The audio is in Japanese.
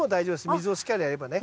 水をしっかりやればね。